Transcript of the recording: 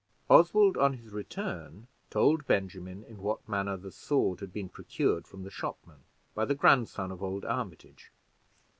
Oswald on his return, told Benjamin in what manner the sword had been procured from the shopman, by the grandson of old Armitage.